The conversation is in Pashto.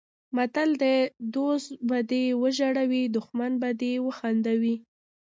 متل دی: دوست به دې وژړوي دښمن به دې وخندوي.